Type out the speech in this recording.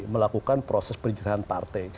melakukan proses penjagaan partai